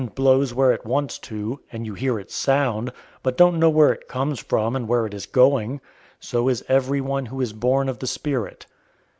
} blows where it wants to, and you hear its sound, but don't know where it comes from and where it is going. So is everyone who is born of the Spirit."